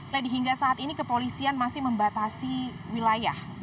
lady hingga saat ini kepolisian masih membatasi wilayah